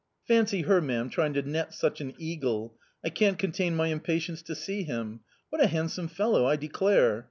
Fancy her, ma'am, trying to net such an eagle ! I can't contain my impatience to see him; what a handsome fellow, I declare